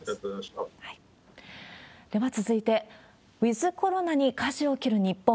では続いて、ウィズコロナにかじを切る日本。